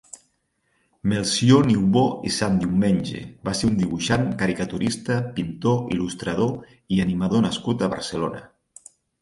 Melcior Niubó i Santdiumenge va ser un dibuixant, caricaturista, pintor, Il·lustrador i animador nascut a Barcelona.